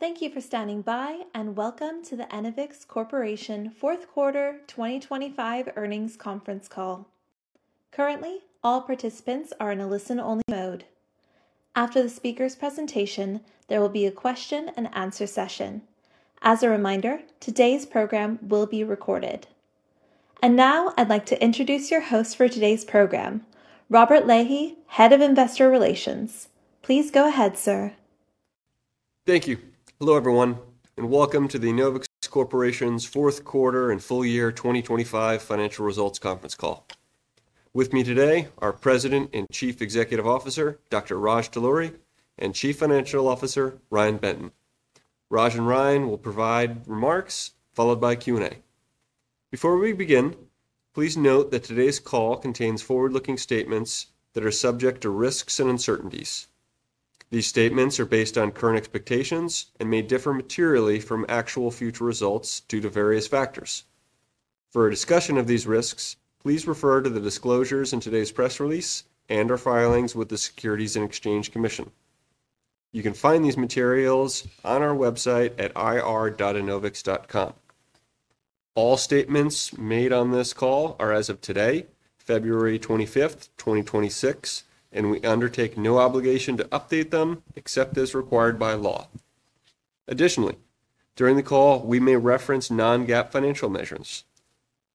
Thank you for standing by, welcome to the Enovix Corporation fourth quarter 2025 earnings conference call. Currently, all participants are in a listen-only mode. After the speaker's presentation, there will be a question and answer session. As a reminder, today's program will be recorded. Now I'd like to introduce your host for today's program, Robert Lahey, Head of Investor Relations. Please go ahead, sir. Thank you. Hello, everyone, and welcome to the Enovix Corporation's fourth quarter and full year 2025 financial results conference call. With me today, our President and Chief Executive Officer, Dr. Raj Talluri, and Chief Financial Officer, Ryan Benton. Raj and Ryan will provide remarks followed by Q&A. Before we begin, please note that today's call contains forward-looking statements that are subject to risks and uncertainties. These statements are based on current expectations and may differ materially from actual future results due to various factors. For a discussion of these risks, please refer to the disclosures in today's press release and/or filings with the Securities and Exchange Commission. You can find these materials on our website at ir.enovix.com. All statements made on this call are as of today, February 25th, 2026, and we undertake no obligation to update them except as required by law. Additionally, during the call, we may reference non-GAAP financial measures.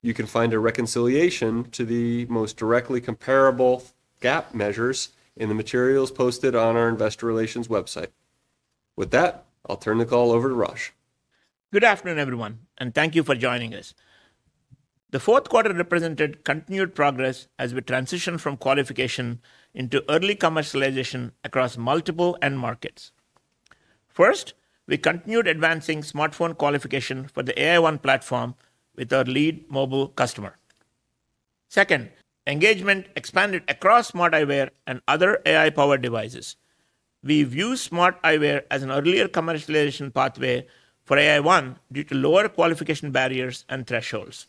You can find a reconciliation to the most directly comparable GAAP measures in the materials posted on our investor relations website. With that, I'll turn the call over to Raj. Good afternoon, everyone. Thank you for joining us. The fourth quarter represented continued progress as we transition from qualification into early commercialization across multiple end markets. First, we continued advancing smartphone qualification for the AI-1 platform with our lead mobile customer. Second, engagement expanded across smart eyewear and other AI-powered devices. We view smart eyewear as an earlier commercialization pathway for AI-1 due to lower qualification barriers and thresholds.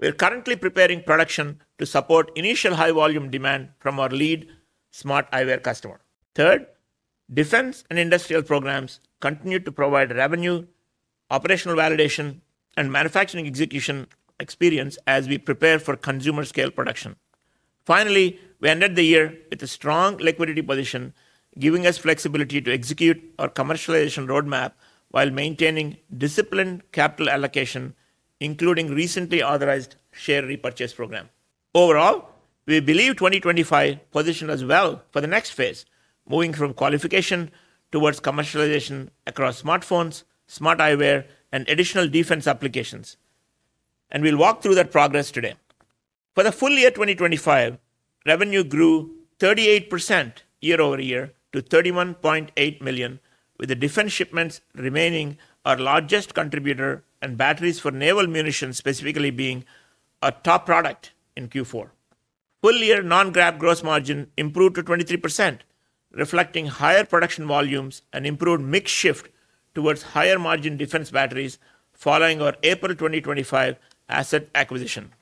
We are currently preparing production to support initial high volume demand from our lead smart eyewear customer. Third, defense and industrial programs continue to provide revenue, operational validation, and manufacturing execution experience as we prepare for consumer-scale production. Finally, we ended the year with a strong liquidity position, giving us flexibility to execute our commercialization roadmap while maintaining disciplined capital allocation, including recently authorized share repurchase program. Overall, we believe 2025 positioned us well for the next phase, moving from qualification towards commercialization across smartphones, smart eyewear, and additional defense applications. We'll walk through that progress today. For the full year 2025, revenue grew 38% year-over-year to $31.8 million, with the defense shipments remaining our largest contributor and batteries for naval munitions specifically being our top product in Q4. Full year non-GAAP gross margin improved to 23%, reflecting higher production volumes and improved mix shift towards higher-margin defense batteries following our April 2025 asset acquisition.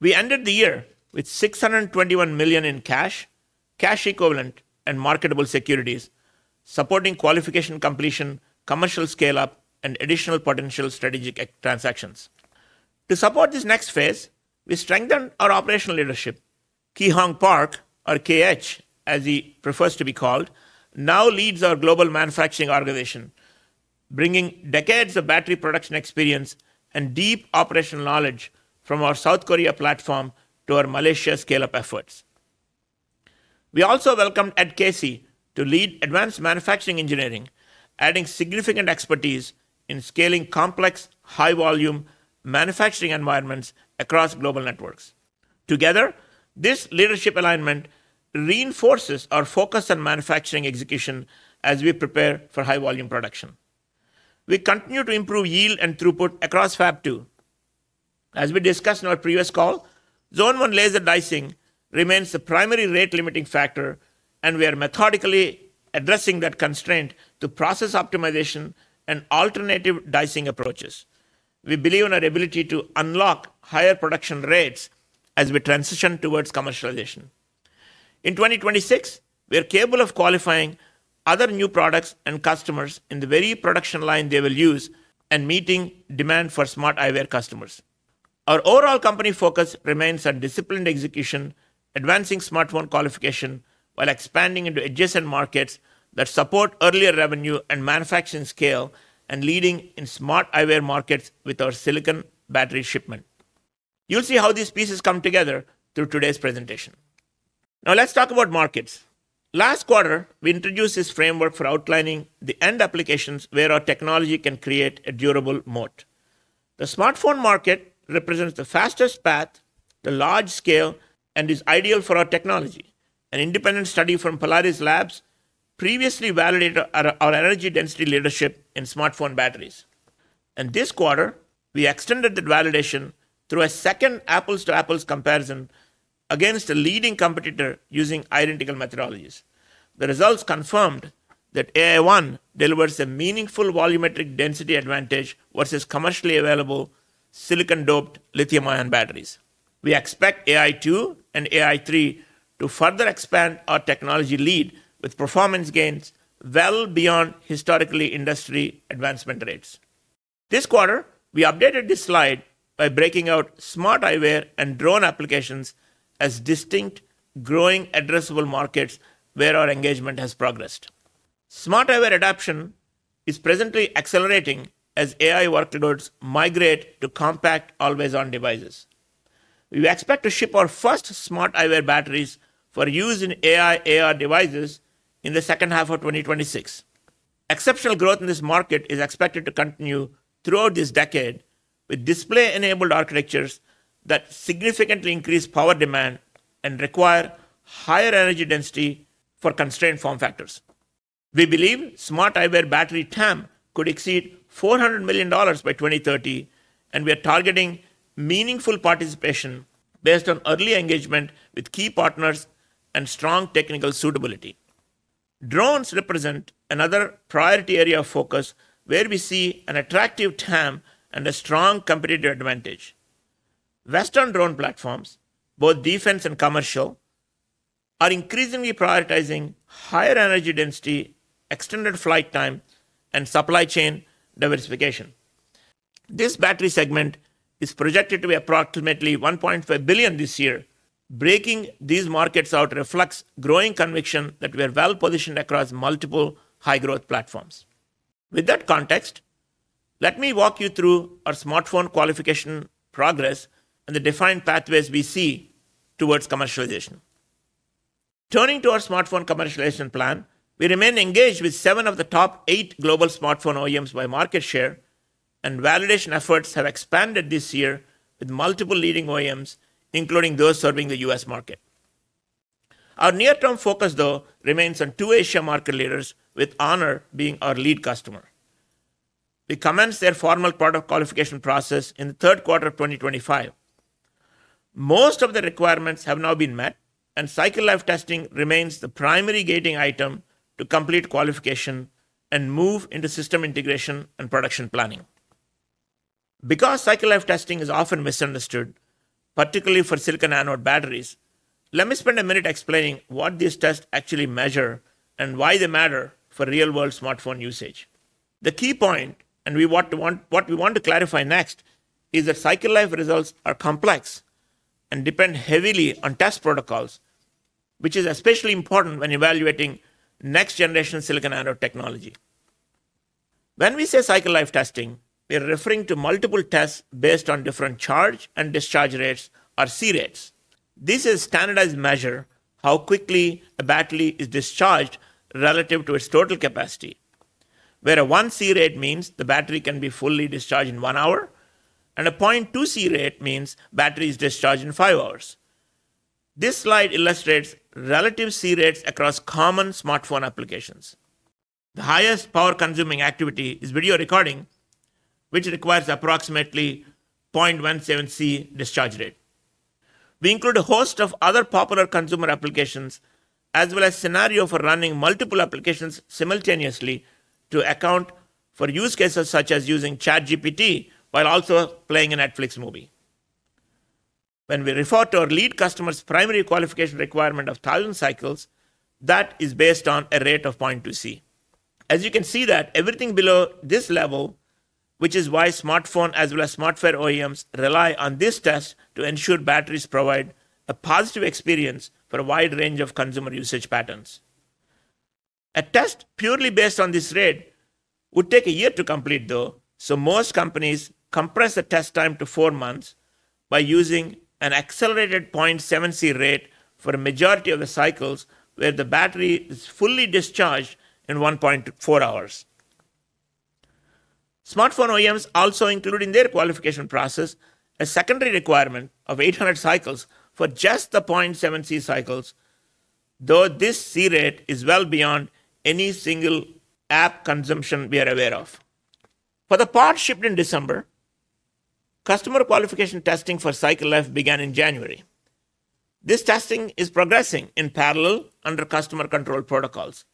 We ended the year with $621 million in cash equivalent, and marketable securities, supporting qualification completion, commercial scale-up, and additional potential strategic transactions. To support this next phase, we strengthened our operational leadership. Kihong Park, or K.H., as he prefers to be called, now leads our global manufacturing organization, bringing decades of battery production experience and deep operational knowledge from our South Korea platform to our Malaysia scale-up efforts. We also welcomed Ed Casey to lead advanced manufacturing engineering, adding significant expertise in scaling complex, high-volume manufacturing environments across global networks. Together, this leadership alignment reinforces our focus on manufacturing execution as we prepare for high-volume production. We continue to improve yield and throughput across Fab2. As we discussed on our previous call, Zone 1 laser dicing remains the primary rate-limiting factor, and we are methodically addressing that constraint to process optimization and alternative dicing approaches. We believe in our ability to unlock higher production rates as we transition towards commercialization. In 2026, we are capable of qualifying other new products and customers in the very production line they will use and meeting demand for smart eyewear customers. Our overall company focus remains on disciplined execution, advancing smartphone qualification while expanding into adjacent markets that support earlier revenue and manufacturing scale, and leading in smart eyewear markets with our silicon battery shipment. You'll see how these pieces come together through today's presentation. Let's talk about markets. Last quarter, we introduced this framework for outlining the end applications where our technology can create a durable moat. The smartphone market represents the fastest path, the large scale, and is ideal for our technology. An independent study from Polaris Labs previously validated our energy density leadership in smartphone batteries. This quarter, we extended that validation through a second apples-to-apples comparison against a leading competitor using identical methodologies. The results confirmed that AI-1 delivers a meaningful volumetric density advantage versus commercially available silicon-doped lithium-ion batteries. We expect AI-2 and AI-3 to further expand our technology lead with performance gains well beyond historically industry advancement rates. This quarter, we updated this slide by breaking out smart eyewear and drone applications as distinct, growing addressable markets where our engagement has progressed. Smart eyewear adoption is presently accelerating as AI workloads migrate to compact, always-on devices. We expect to ship our first smart eyewear batteries for use in AI/AR devices in the second half of 2026. Exceptional growth in this market is expected to continue throughout this decade, with display-enabled architectures that significantly increase power demand and require higher energy density for constrained form factors. We believe smart eyewear battery TAM could exceed $400 million by 2030. We are targeting meaningful participation based on early engagement with key partners and strong technical suitability. Drones represent another priority area of focus, where we see an attractive TAM and a strong competitive advantage. Western drone platforms, both defense and commercial, are increasingly prioritizing higher energy density, extended flight time, and supply chain diversification. This battery segment is projected to be approximately $1.5 billion this year. Breaking these markets out reflects growing conviction that we are well-positioned across multiple high-growth platforms. With that context, let me walk you through our smartphone qualification progress and the defined pathways we see towards commercialization. Turning to our smartphone commercialization plan, we remain engaged with seven of the top eight global smartphone OEMs by market share, and validation efforts have expanded this year with multiple leading OEMs, including those serving the U.S. market. Our near-term focus, though, remains on two Asia market leaders, with Honor being our lead customer. We commenced their formal product qualification process in the third quarter of 2025. Most of the requirements have now been met, and cycle life testing remains the primary gating item to complete qualification and move into system integration and production planning. Because cycle life testing is often misunderstood, particularly for silicon anode batteries, let me spend a minute explaining what these tests actually measure and why they matter for real-world smartphone usage. The key point, and what we want to clarify next, is that cycle life results are complex and depend heavily on test protocols, which is especially important when evaluating next-generation silicon anode technology. When we say cycle life testing, we are referring to multiple tests based on different charge and discharge rates, or C-rates. This is standardized measure how quickly a battery is discharged relative to its total capacity, where a 1 C-rate means the battery can be fully discharged in 1 hour, and a 0.2 C-rate means battery is discharged in 5 hours. This slide illustrates relative C-rates across common smartphone applications. The highest power-consuming activity is video recording, which requires approximately 0.17 C discharge rate. We include a host of other popular consumer applications, as well as scenario for running multiple applications simultaneously to account for use cases such as using ChatGPT while also playing a Netflix movie. When we refer to our lead customer's primary qualification requirement of 1,000 cycles, that is based on a rate of 0.2 C. As you can see that everything below this level, which is why smartphone as well as smartphone OEMs rely on this test to ensure batteries provide a positive experience for a wide range of consumer usage patterns. A test purely based on this rate would take one year to complete, though, so most companies compress the test time to four months by using an accelerated 0.7 C rate for a majority of the cycles, where the battery is fully discharged in 1.4 hours. Smartphone OEMs also include in their qualification process a secondary requirement of 800 cycles for just the 0.7 C cycles, though this C-rate is well beyond any single app consumption we are aware of. For the parts shipped in December, customer qualification testing for cycle life began in January. This testing is progressing in parallel under customer control protocols.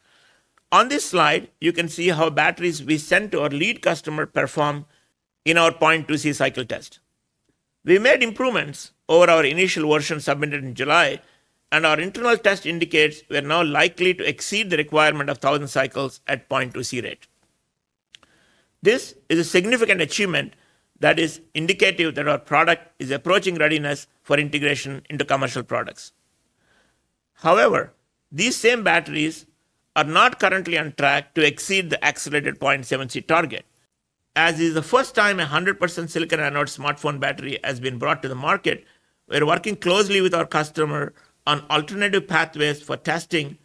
On this slide, you can see how batteries we sent to our lead customer perform in our 0.2 C cycle test. We made improvements over our initial version submitted in July, and our internal test indicates we are now likely to exceed the requirement of 1,000 cycles at 0.2 C-rate. This is a significant achievement that is indicative that our product is approaching readiness for integration into commercial products. However, these same batteries are not currently on track to exceed the accelerated 0.7 C target. As it is the first time a 100% silicon anode smartphone battery has been brought to the market, we're working closely with our customer on alternative pathways for testing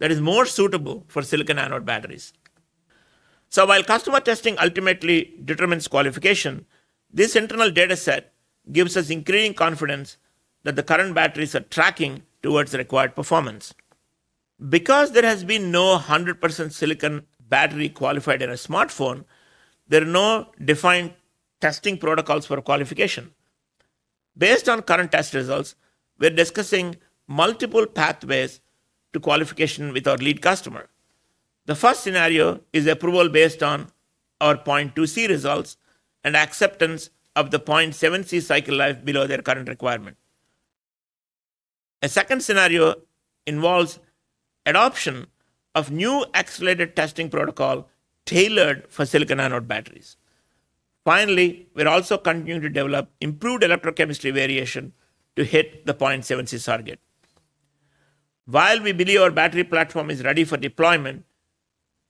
that is more suitable for silicon anode batteries. While customer testing ultimately determines qualification, this internal data set gives us increasing confidence that the current batteries are tracking towards the required performance. There has been no 100% silicon battery qualified in a smartphone. There are no defined testing protocols for qualification. Based on current test results, we're discussing multiple pathways to qualification with our lead customer. The first scenario is approval based on our 0.2 C results and acceptance of the 0.7 C cycle life below their current requirement. A second scenario involves adoption of new accelerated testing protocol tailored for silicon anode batteries. Finally, we're also continuing to develop improved electrochemistry variation to hit the 0.7 C target. While we believe our battery platform is ready for deployment,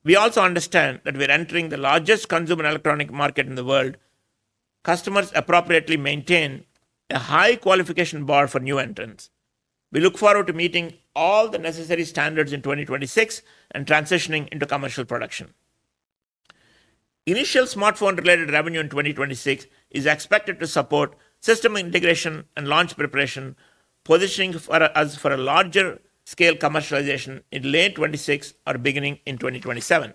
we also understand that we're entering the largest consumer electronic market in the world. Customers appropriately maintain a high qualification bar for new entrants. We look forward to meeting all the necessary standards in 2026 and transitioning into commercial production. Initial smartphone-related revenue in 2026 is expected to support system integration and launch preparation, positioning us for a larger scale commercialization in late 2026 or beginning in 2027.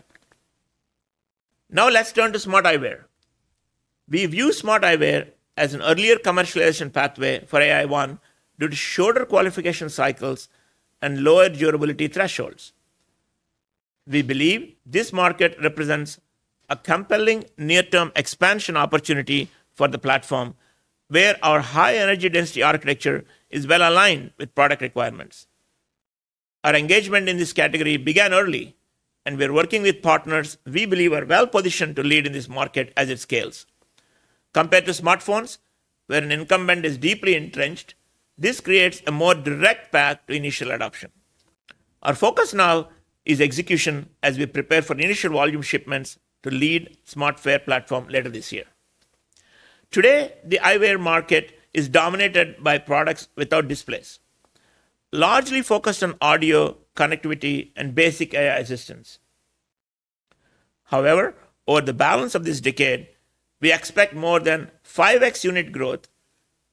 Let's turn to smart eyewear. We view smart eyewear as an earlier commercialization pathway for AI-1, due to shorter qualification cycles and lower durability thresholds. We believe this market represents a compelling near-term expansion opportunity for the platform, where our high energy density architecture is well aligned with product requirements. Our engagement in this category began early, we're working with partners we believe are well-positioned to lead in this market as it scales. Compared to smartphones, where an incumbent is deeply entrenched, this creates a more direct path to initial adoption. Our focus now is execution as we prepare for initial volume shipments to lead smartwear platform later this year. Today, the eyewear market is dominated by products without displays, largely focused on audio, connectivity, and basic AI assistance. Over the balance of this decade, we expect more than 5x unit growth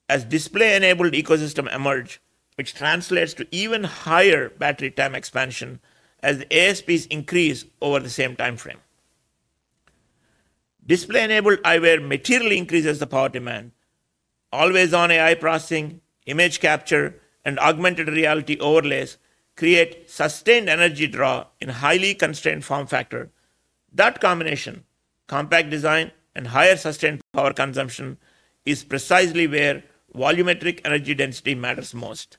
as display-enabled ecosystem emerge, which translates to even higher battery TAM expansion as ASPs increase over the same timeframe. Display-enabled eyewear materially increases the power demand. Always-on AI processing, image capture, and augmented reality overlays create sustained energy draw in a highly constrained form factor. That combination, compact design and higher sustained power consumption, is precisely where volumetric energy density matters most.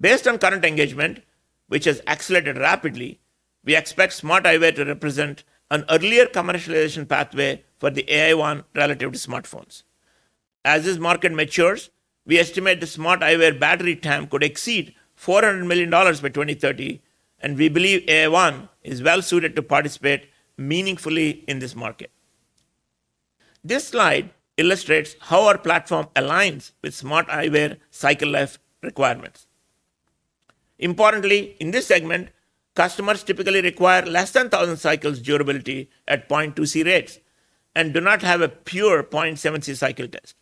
Based on current engagement, which has accelerated rapidly, we expect smart eyewear to represent an earlier commercialization pathway for the AI-1 relative to smartphones. This market matures, we estimate the smart eyewear battery TAM could exceed $400 million by 2030. We believe AI-1 is well suited to participate meaningfully in this market. This slide illustrates how our platform aligns with smart eyewear cycle life requirements. Importantly, in this segment, customers typically require less than 1,000 cycles durability at 0.2 C rates and do not have a pure 0.7 C cycle test.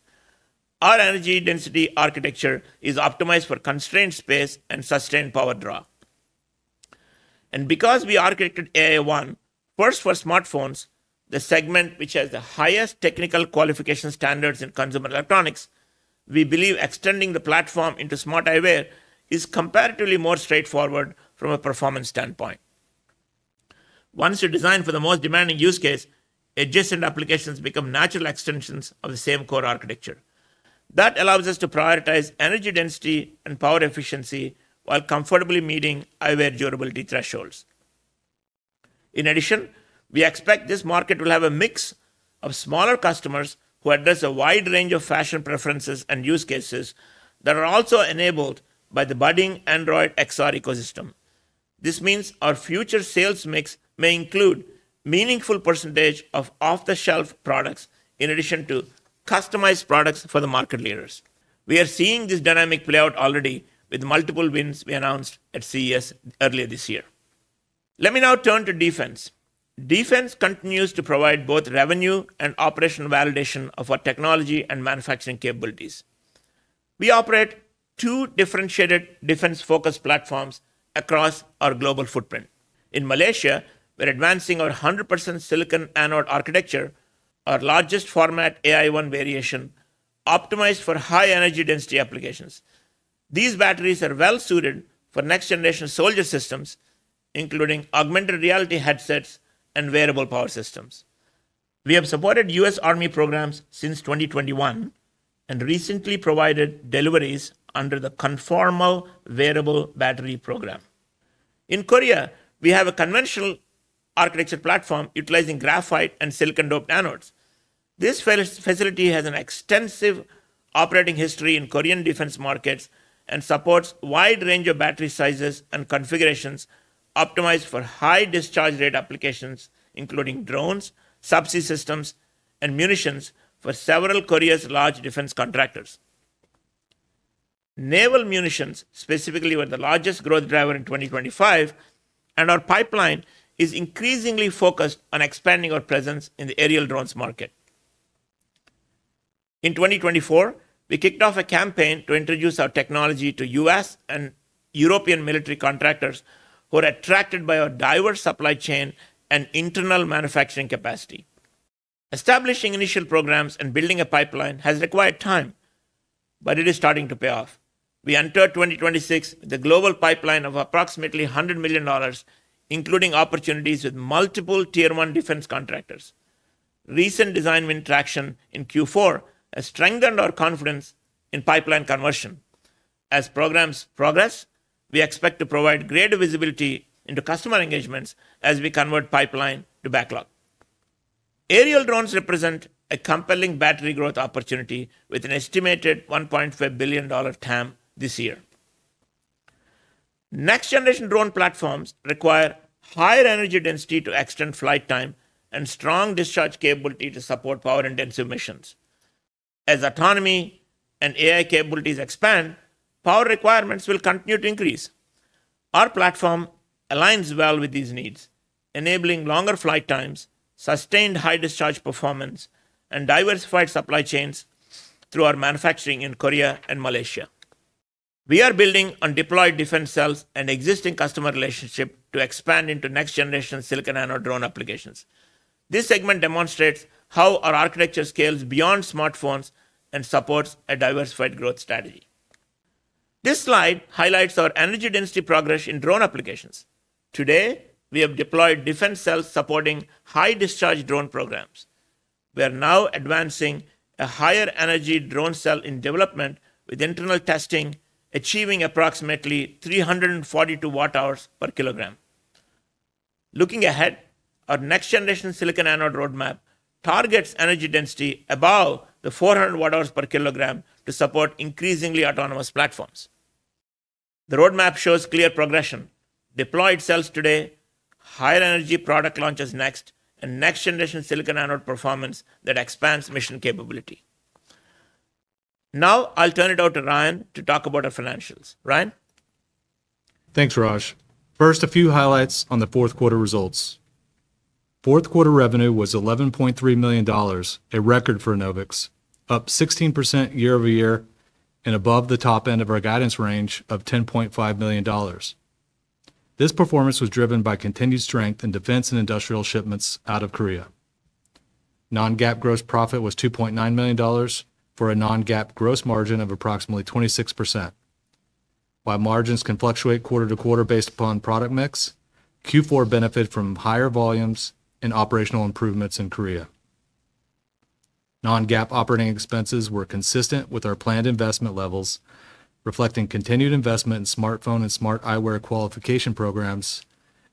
Our energy density architecture is optimized for constrained space and sustained power draw. Because we architected AI-1 first for smartphones, the segment which has the highest technical qualification standards in consumer electronics, we believe extending the platform into smart eyewear is comparatively more straightforward from a performance standpoint. Once you're designed for the most demanding use case, adjacent applications become natural extensions of the same core architecture. That allows us to prioritize energy density and power efficiency while comfortably meeting eyewear durability thresholds. In addition, we expect this market will have a mix of smaller customers who address a wide range of fashion preferences and use cases that are also enabled by the budding Android XR ecosystem. This means our future sales mix may include meaningful percentage of off-the-shelf products in addition to customized products for the market leaders. We are seeing this dynamic play out already with multiple wins we announced at CES earlier this year. Let me now turn to defense. Defense continues to provide both revenue and operational validation of our technology and manufacturing capabilities. We operate two differentiated defense-focused platforms across our global footprint. In Malaysia, we're advancing our 100% silicon anode architecture, our largest format AI-1 variation, optimized for high energy density applications. These batteries are well suited for next-generation soldier systems, including augmented reality headsets and wearable power systems. We have supported U.S. Army programs since 2021 and recently provided deliveries under the Conformal Wearable Battery program. In Korea, we have a conventional architecture platform utilizing graphite and silicon doped anodes. This facility has an extensive operating history in Korean defense markets and supports a wide range of battery sizes and configurations optimized for high discharge rate applications, including drones, subsea systems, and munitions for several Korea's large defense contractors. Naval munitions, specifically, were the largest growth driver in 2025. Our pipeline is increasingly focused on expanding our presence in the aerial drones market. In 2024, we kicked off a campaign to introduce our technology to U.S. and European military contractors, who are attracted by our diverse supply chain and internal manufacturing capacity. Establishing initial programs and building a pipeline has required time. But it is starting to pay off. We entered 2026 with a global pipeline of approximately $100 million, including opportunities with multiple Tier 1 Defense Contractors. Recent design win traction in Q4 has strengthened our confidence in pipeline conversion. As programs progress, we expect to provide greater visibility into customer engagements as we convert pipeline to backlog. Aerial drones represent a compelling battery growth opportunity, with an estimated $1.5 billion TAM this year. Next-generation drone platforms require higher energy density to extend flight time and strong discharge capability to support power-intensive missions. As autonomy and AI capabilities expand, power requirements will continue to increase. Our platform aligns well with these needs, enabling longer flight times, sustained high discharge performance, and diversified supply chains through our manufacturing in Korea and Malaysia. We are building on deployed defense cells and existing customer relationship to expand into next-generation silicon anode drone applications. This segment demonstrates how our architecture scales beyond smartphones and supports a diversified growth strategy. This slide highlights our energy density progress in drone applications. Today, we have deployed defense cells supporting high-discharge drone programs. We are now advancing a higher energy drone cell in development, with internal testing achieving approximately 342 Wh/kg. Looking ahead, our next-generation silicon anode roadmap targets energy density above the 400 Wh/kg to support increasingly autonomous platforms. The roadmap shows clear progression, deployed cells today, higher energy product launches next, and next-generation silicon anode performance that expands mission capability. I'll turn it over to Ryan to talk about our financials. Ryan? Thanks, Raj. First, a few highlights on the fourth quarter results. Fourth quarter revenue was $11.3 million, a record for Enovix, up 16% year-over-year and above the top end of our guidance range of $10.5 million. This performance was driven by continued strength in defense and industrial shipments out of Korea. Non-GAAP gross profit was $2.9 million, for a non-GAAP gross margin of approximately 26%. While margins can fluctuate quarter-to-quarter based upon product mix, Q4 benefited from higher volumes and operational improvements in Korea. Non-GAAP operating expenses were consistent with our planned investment levels, reflecting continued investment in smartphone and smart eyewear qualification programs,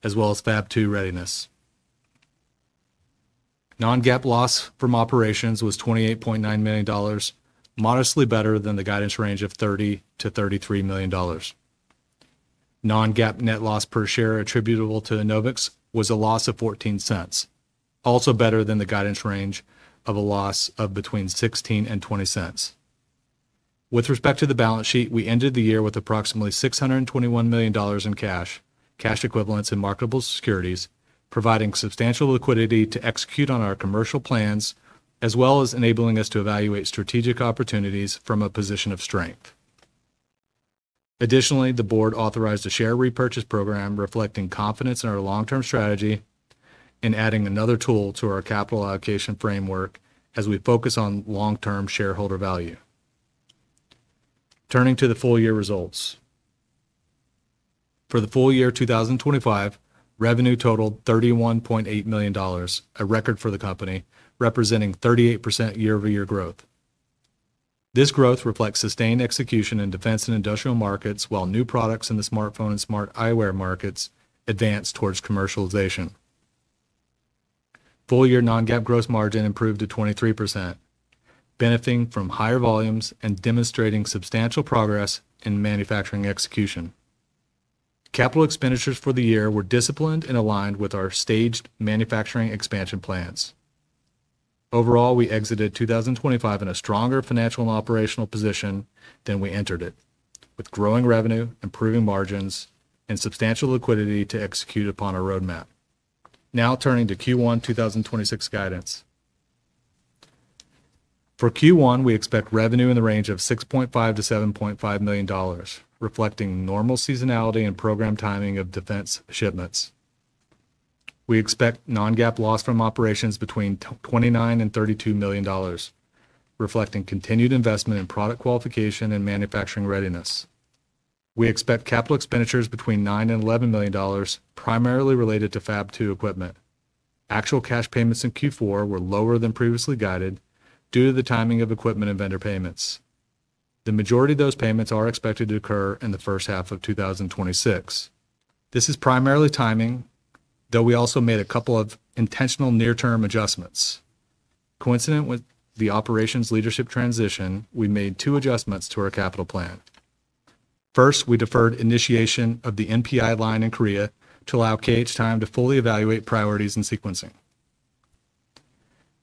as well as Fab2 readiness. Non-GAAP loss from operations was $28.9 million, modestly better than the guidance range of $30 million-$33 million. Non-GAAP net loss per share attributable to Enovix was a loss of $0.14, also better than the guidance range of a loss of between $0.16 and $0.20. With respect to the balance sheet, we ended the year with approximately $621 million in cash equivalents, and marketable securities, providing substantial liquidity to execute on our commercial plans, as well as enabling us to evaluate strategic opportunities from a position of strength. Additionally, the board authorized a share repurchase program, reflecting confidence in our long-term strategy and adding another tool to our capital allocation framework as we focus on long-term shareholder value. Turning to the full year results. For the full year 2025, revenue totaled $31.8 million, a record for the company, representing 38% year-over-year growth. This growth reflects sustained execution in defense and industrial markets, while new products in the smartphone and smart eyewear markets advanced towards commercialization. Full-year non-GAAP gross margin improved to 23%, benefiting from higher volumes and demonstrating substantial progress in manufacturing execution. Capital expenditures for the year were disciplined and aligned with our staged manufacturing expansion plans. Overall, we exited 2025 in a stronger financial and operational position than we entered it, with growing revenue, improving margins, and substantial liquidity to execute upon our roadmap. Turning to Q1 2026 guidance. For Q1, we expect revenue in the range of $6.5 million-$7.5 million, reflecting normal seasonality and program timing of defense shipments. We expect non-GAAP loss from operations between $29 million and $32 million, reflecting continued investment in product qualification and manufacturing readiness. We expect capital expenditures between $9 million and $11 million, primarily related to Fab2 equipment. Actual cash payments in Q4 were lower than previously guided due to the timing of equipment and vendor payments. The majority of those payments are expected to occur in the first half of 2026. This is primarily timing, though we also made a couple of intentional near-term adjustments. Coincident with the operations leadership transition, we made two adjustments to our capital plan. First, we deferred initiation of the NPI line in Korea to allow K.H. time to fully evaluate priorities and sequencing.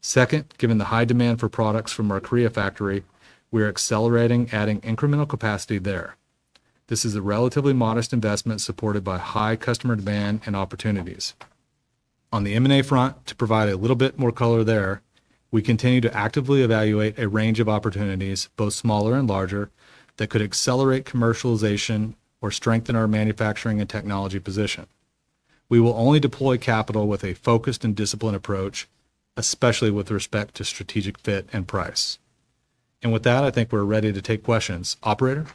Second, given the high demand for products from our Korea factory, we are accelerating, adding incremental capacity there. This is a relatively modest investment, supported by high customer demand and opportunities. On the M&A front, to provide a little bit more color there, we continue to actively evaluate a range of opportunities, both smaller and larger, that could accelerate commercialization or strengthen our manufacturing and technology position. We will only deploy capital with a focused and disciplined approach, especially with respect to strategic fit and price. With that, I think we're ready to take questions. Operator?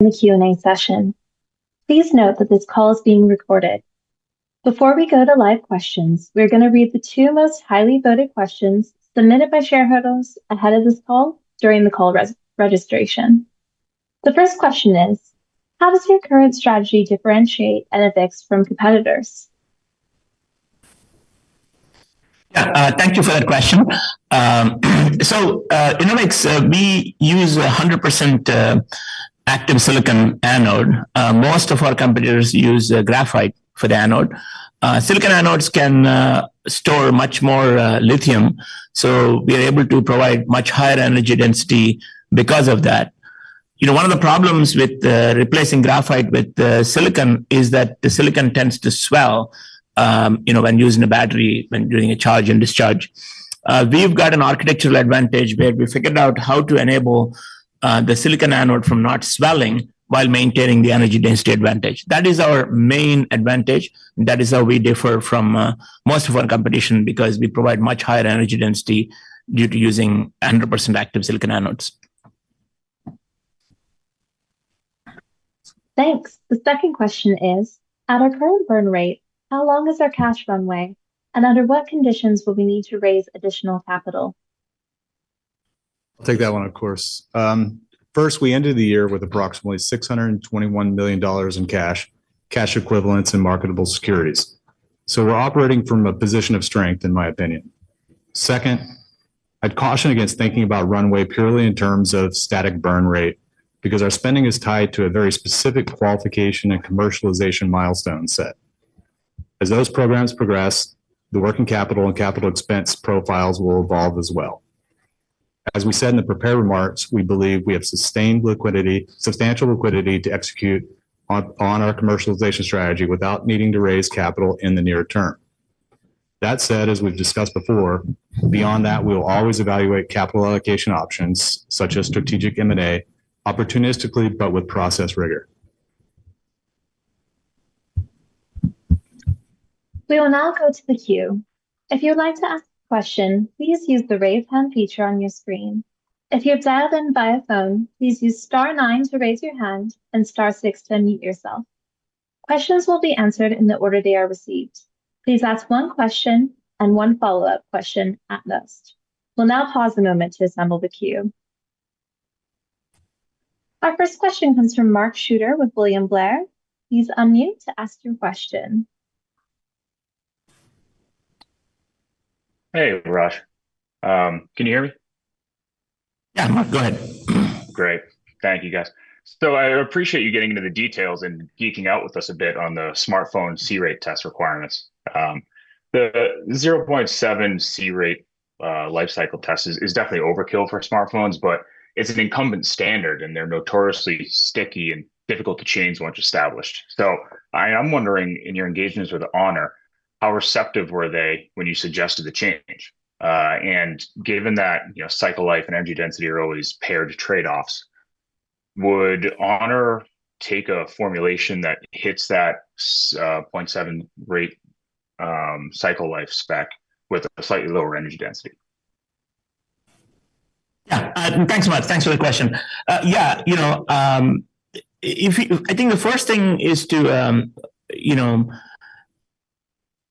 The Q&A session. Please note that this call is being recorded. Before we go to live questions, we're going to read the two most highly voted questions submitted by shareholders ahead of this call during the call registration. The first question is: how does your current strategy differentiate Enovix from competitors? Thank you for that question. Enovix, we use 100% active silicon anode. Most of our competitors use graphite for the anode. Silicon anodes can store much more lithium, so we are able to provide much higher energy density because of that. You know, one of the problems with replacing graphite with silicon is that the silicon tends to swell, you know, when using a battery, when doing a charge and discharge. We've got an architectural advantage where we figured out how to enable the silicon anode from not swelling while maintaining the energy density advantage. That is our main advantage. That is how we differ from most of our competition, because we provide much higher energy density due to using 100% active silicon anodes. Thanks. The second question is: at our current burn rate, how long is our cash runway, and under what conditions will we need to raise additional capital? I'll take that one, of course. First, we ended the year with approximately $621 million in cash equivalents, and marketable securities. We're operating from a position of strength, in my opinion. Second, I'd caution against thinking about runway purely in terms of static burn rate, because our spending is tied to a very specific qualification and commercialization milestone set. As those programs progress, the working capital and capital expense profiles will evolve as well. As we said in the prepared remarks, we believe we have sustained substantial liquidity to execute on our commercialization strategy without needing to raise capital in the near term. That said, as we've discussed before, beyond that, we'll always evaluate capital allocation options such as strategic M&A, opportunistically, but with process rigor. We will now go to the queue. If you'd like to ask a question, please use the Raise Hand feature on your screen. If you've dialed in via phone, please use star nine to raise your hand and star six to unmute yourself. Questions will be answered in the order they are received. Please ask one question and one follow-up question at most. We'll now pause a moment to assemble the queue. Our first question comes from Mark Shooter with William Blair. Please unmute to ask your question. Hey, Raj. Can you hear me? Yeah, Mark, go ahead. Great. Thank you, guys. I appreciate you getting into the details and geeking out with us a bit on the smartphone C-rate test requirements. The 0.7 C-rate life cycle test is definitely overkill for smartphones, but it's an incumbent standard, and they're notoriously sticky and difficult to change once established. I'm wondering, in your engagements with HONOR, how receptive were they when you suggested the change? Given that, you know, cycle life and energy density are always paired trade-offs, would Honor take a formulation that hits that 0.7 rate cycle life spec with a slightly lower energy density? Thanks so much. Thanks for the question. you know, I think the first thing is to, you know,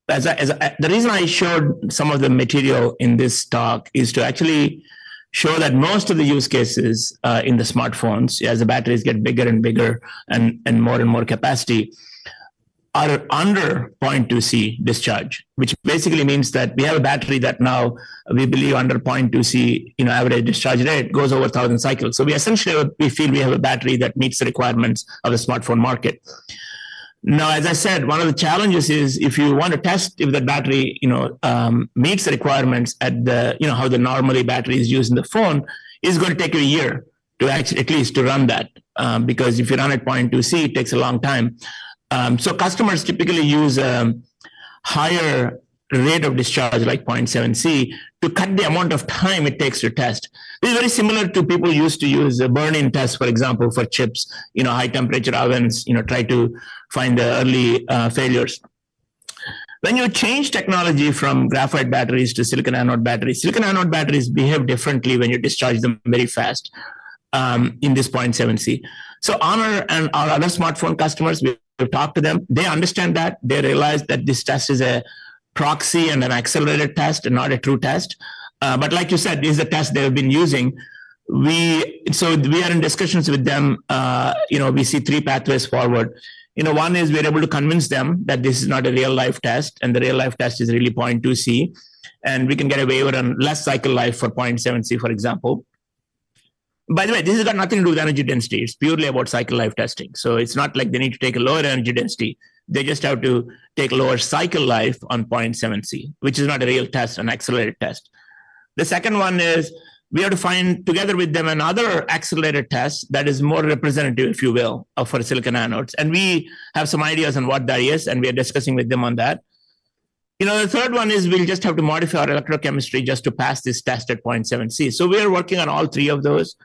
the reason I showed some of the material in this talk is to actually show that most of the use cases in the smartphones, as the batteries get bigger and bigger and more and more capacity, are under 0.2 C discharge, which basically means that we have a battery that now we believe under 0.2 C, you know, average discharge rate, goes over 1,000 cycles. We essentially, we feel we have a battery that meets the requirements of the smartphone market. As I said, one of the challenges is if you want to test if the battery, you know, meets the requirements at the, you know, how the normally battery is used in the phone, it's going to take you a year to actually at least to run that. Because if you run at 0.2 C, it takes a long time. So customers typically use, higher rate of discharge, like 0.7 C, to cut the amount of time it takes to test. This is very similar to people used to use a burn-in test, for example, for chips, you know, high temperature ovens, you know, try to find the early failures. When you change technology from graphite batteries to silicon anode batteries, silicon anode batteries behave differently when you discharge them very fast, in this 0.7 C. HONOR and our other smartphone customers, we've talked to them, they understand that. They realize that this test is a proxy and an accelerated test and not a true test. Like you said, this is a test they have been using. We are in discussions with them. You know, we see three pathways forward. You know, one is we are able to convince them that this is not a real-life test, and the real-life test is really 0.2 C, and we can get away with a less cycle life for 0.7 C, for example. By the way, this has got nothing to do with energy density. It's purely about cycle life testing. It's not like they need to take a lower energy density. They just have to take a lower cycle life on 0.7 C, which is not a real test, an accelerated test. The second one is we have to find, together with them, another accelerated test that is more representative, if you will, for silicon anodes. We have some ideas on what that is, and we are discussing with them on that. You know, the third one is we'll just have to modify our electrochemistry just to pass this test at 0.7 C. So we are working on all three of those.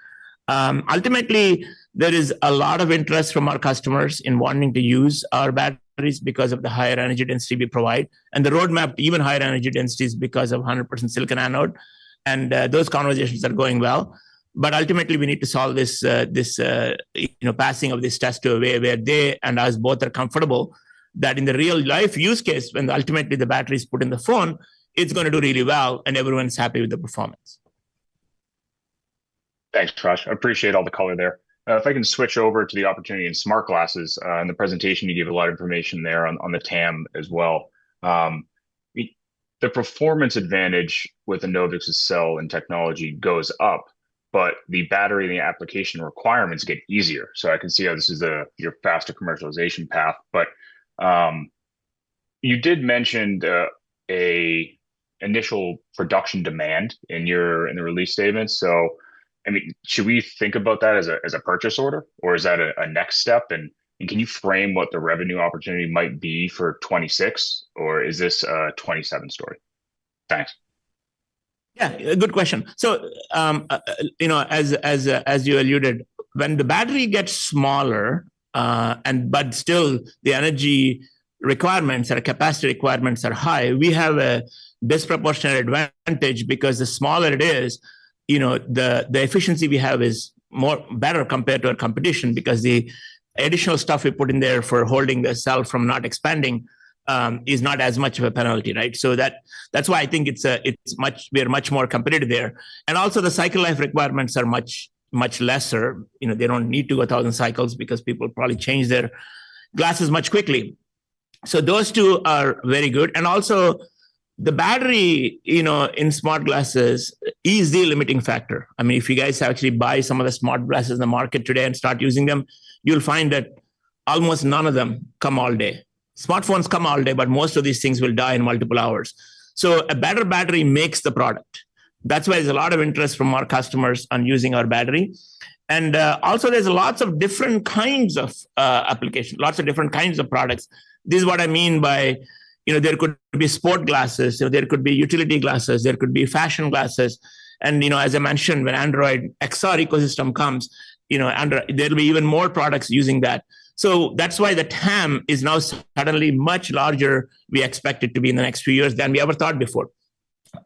Ultimately, there is a lot of interest from our customers in wanting to use our batteries because of the higher energy density we provide, and the roadmap to even higher energy densities because of 100% silicon anode, and those conversations are going well. Ultimately, we need to solve this, you know, passing of this test to where they and us both are comfortable that in the real-life use case, when ultimately the battery is put in the phone, it's gonna do really well, and everyone's happy with the performance. Thanks, Raj. I appreciate all the color there. If I can switch over to the opportunity in smart glasses, in the presentation, you gave a lot of information there on the TAM as well. The performance advantage with Enovix's cell and technology goes up, but the battery and the application requirements get easier. I can see how this is your faster commercialization path. You did mention an initial production demand in your, in the release statement. I mean, should we think about that as a purchase order, or is that a next step? Can you frame what the revenue opportunity might be for 2026, or is this a 2027 story? Thanks. Yeah, a good question. You know, as you alluded, when the battery gets smaller, and but still the energy requirements or capacity requirements are high, we have a disproportionate advantage because the smaller it is, you know, the efficiency we have is more better compared to our competition, because the additional stuff we put in there for holding the cell from not expanding, is not as much of a penalty, right? That's why I think it's we are much more competitive there. The cycle life requirements are much lesser. You know, they don't need to do 1,000 cycles because people probably change their glasses much quickly. Those two are very good. The battery, you know, in smart glasses is the limiting factor. I mean, if you guys actually buy some of the smart glasses in the market today and start using them, you'll find that almost none of them come all day. Smartphones come all day, but most of these things will die in multiple hours. A better battery makes the product. That's why there's a lot of interest from our customers on using our battery. Also, there's lots of different kinds of applications, lots of different kinds of products. This is what I mean by, you know, there could be sport glasses, there could be utility glasses, there could be fashion glasses, and, you know, as I mentioned, when Android XR ecosystem comes, you know, there'll be even more products using that. That's why the TAM is now suddenly much larger we expect it to be in the next few years than we ever thought before.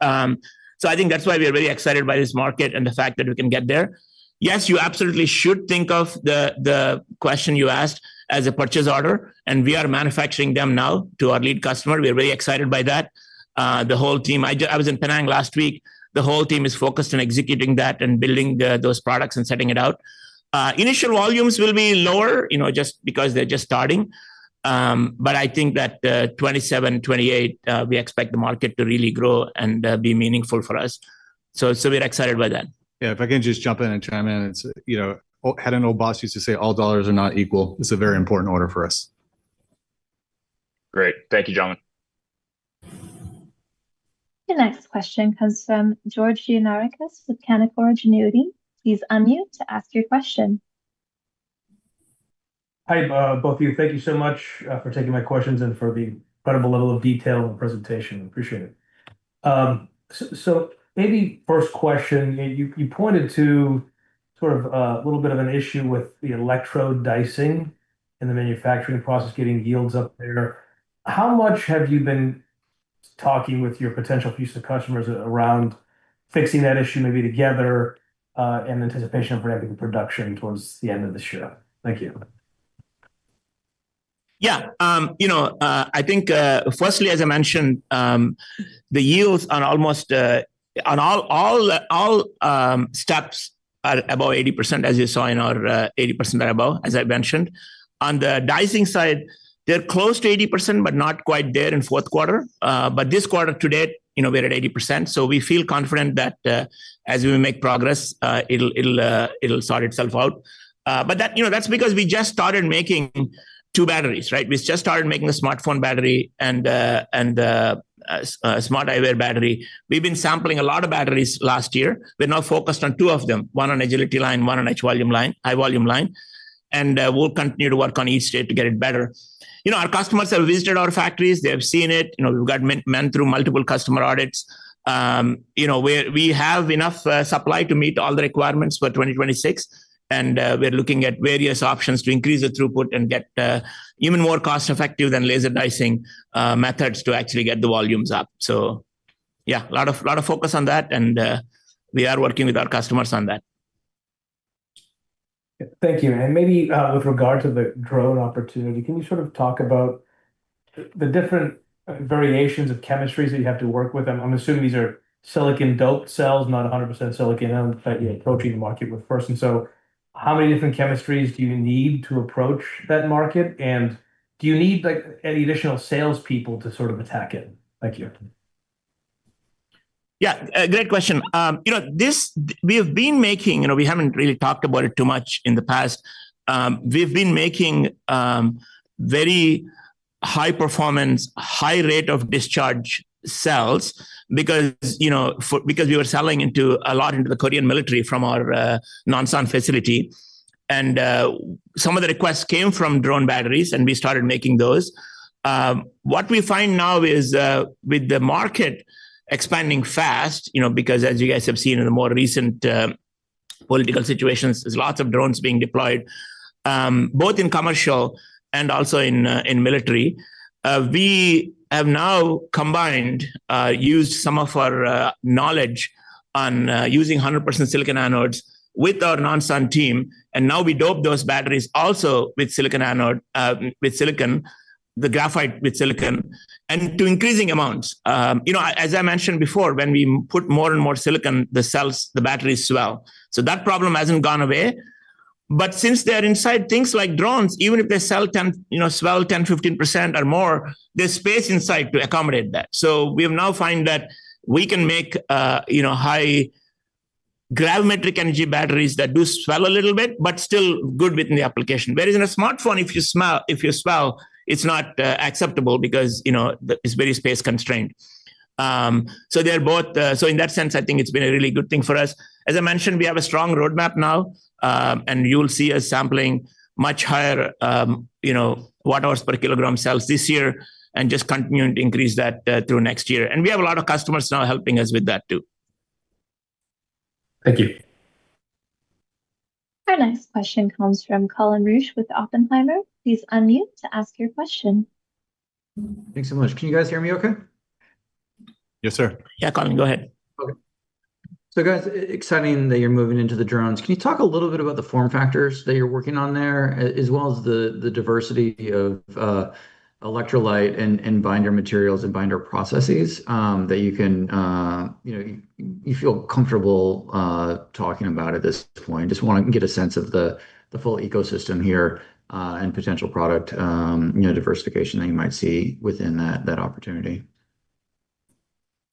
I think that's why we are very excited by this market and the fact that we can get there. Yes, you absolutely should think of the question you asked as a purchase order, and we are manufacturing them now to our lead customer. We are very excited by that. The whole team, I was in Penang last week, is focused on executing that and building the, those products and sending it out. Initial volumes will be lower, you know, just because they're just starting. But I think that, 2027, 2028, we expect the market to really grow and be meaningful for us. We're excited by that. If I can just jump in and chime in. It's, you know, I had an old boss used to say, "All dollars are not equal." It's a very important order for us. Great. Thank you, gentlemen. The next question comes from George Gianarikas with Canaccord Genuity. Please unmute to ask your question. Hi, both of you. Thank you so much for taking my questions and for the incredible level of detail and presentation. Appreciate it. Maybe first question, you pointed to sort of a little bit of an issue with the electrode dicing in the manufacturing process, getting yields up there. How much have you been talking with your potential piece of customers around fixing that issue maybe together, in anticipation of ramping production towards the end of this year? Thank you. Yeah. You know, I think, firstly, as I mentioned, the yields on almost on all steps are above 80%, as you saw in our 80% or above, as I mentioned. On the dicing side, they're close to 80%, but not quite there in fourth quarter. This quarter to date, you know, we're at 80%. We feel confident that, as we make progress, it'll sort itself out. That, you know, that's because we just started making two batteries, right? We just started making a smartphone battery and a smart eyewear battery. We've been sampling a lot of batteries last year. We're now focused on two of them, one on Agility Line, one on H volume line, high volume line. We'll continue to work on each state to get it better. You know, our customers have visited our factories. They have seen it, you know, we've got men through multiple customer audits. You know, we have enough supply to meet all the requirements for 2026. We're looking at various options to increase the throughput and get even more cost-effective than laser dicing methods to actually get the volumes up. Yeah, a lot of, lot of focus on that. We are working with our customers on that. Thank you. Maybe, with regard to the drone opportunity, can you sort of talk about the different variations of chemistries that you have to work with? I'm assuming these are silicon-doped cells, not 100% silicon that you're approaching the market with first. How many different chemistries do you need to approach that market, and do you need, like, any additional salespeople to sort of attack it? Thank you. Yeah, great question. You know, we have been making. You know, we haven't really talked about it too much in the past. We've been making, very high performance, high rate of discharge cells because, you know, because we were selling into a lot into the Korean military from our, Nonsan facility. Some of the requests came from drone batteries, and we started making those. What we find now is, with the market expanding fast, you know, because as you guys have seen in the more recent, political situations, there's lots of drones being deployed, both in commercial and also in military. We have now combined, used some of our knowledge on using 100% silicon anodes with our Nonsan team, and now we dope those batteries also with silicon anode, with silicon, the graphite with silicon, and to increasing amounts. You know, as I mentioned before, when we put more and more silicon, the cells, the batteries swell. That problem hasn't gone away. Since they're inside things like drones, even if they swell 10%, you know, swell 10%, 15% or more, there's space inside to accommodate that. We have now find that we can make, you know, high gravimetric energy batteries that do swell a little bit, but still good within the application. Whereas in a smartphone, if you swell, it's not acceptable because, you know, it's very space constrained. They're both. In that sense, I think it's been a really good thing for us. As I mentioned, we have a strong roadmap now, and you'll see us sampling much higher, you know, watt-hours per kilogram cells this year and just continuing to increase that through next year. We have a lot of customers now helping us with that too. Thank you. Our next question comes from Colin Rusch with Oppenheimer. Please unmute to ask your question. Thanks so much. Can you guys hear me okay? Yes, sir. Yeah, Colin, go ahead. Okay. guys, exciting that you're moving into the drones. Can you talk a little bit about the form factors that you're working on there, as well as the diversity of electrolyte and binder materials and binder processes that you can, you know, you feel comfortable talking about at this point? I just want to get a sense of the full ecosystem here, and potential product, you know, diversification that you might see within that opportunity.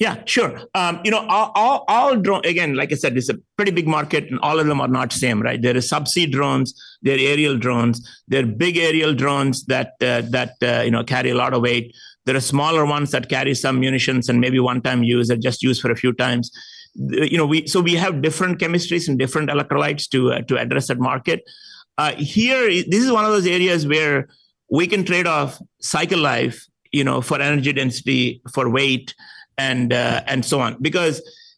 Yeah, sure. You know, all drone again, like I said, it's a pretty big market, all of them are not the same, right? There are subsea drones, there are aerial drones, there are big aerial drones that, you know, carry a lot of weight. There are smaller ones that carry some munitions and maybe one-time use or just use for a few times. You know, we have different chemistries and different electrolytes to address that market. Here, this is one of those areas where we can trade off cycle life, you know, for energy density, for weight, and so on.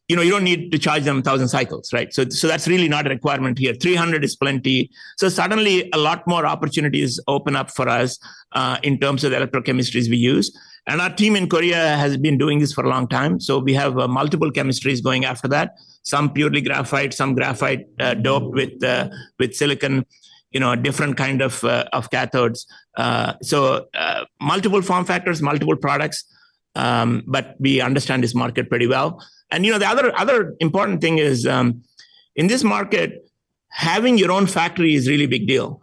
You know, you don't need to charge them 1,000 cycles, right? That's really not a requirement here. 300 is plenty. Suddenly, a lot more opportunities open up for us in terms of the electrochemistries we use. Our team in Korea has been doing this for a long time, so we have multiple chemistries going after that. Some purely graphite, some graphite doped with silicon, you know, different kind of cathodes. Multiple form factors, multiple products, but we understand this market pretty well. You know, the other important thing is, in this market, having your own factory is a really big deal.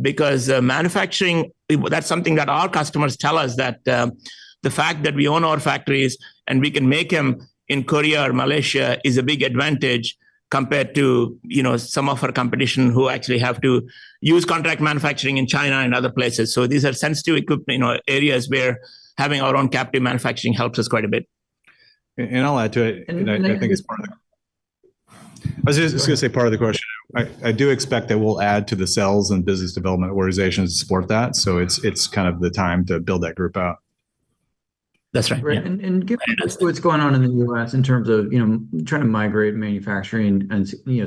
Because manufacturing, that's something that our customers tell us that the fact that we own our factories and we can make them in Korea or Malaysia is a big advantage compared to, you know, some of our competition who actually have to use contract manufacturing in China and other places. These are sensitive you know, areas where having our own captive manufacturing helps us quite a bit. I'll add to it, I was just gonna say part of the question. I do expect that we'll add to the sales and business development organizations to support that, so it's kind of the time to build that group out. That's right. Great. Given as to what's going on in the U.S. in terms of, you know, trying to migrate manufacturing and, you know,